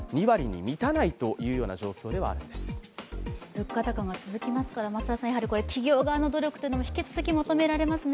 物価高が続きますから、企業側の努力というのも引き続き求められますね。